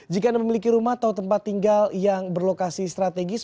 jika anda memiliki rumah atau tempat tinggal yang berlokasi strategis